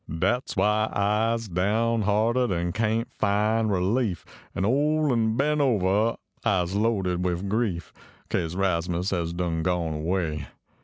Dat s why Ise down hearted an kain t fin relief. An ol an bent over ; Ise loaded with grief Kase Rasmus has done gone away.